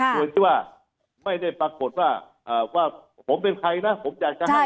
โดยที่ว่าไม่ได้ปรากฏว่าผมเป็นใครนะผมอยากจะให้